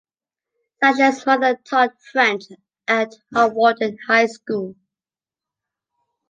Sasha's mother taught French at Hawarden High School.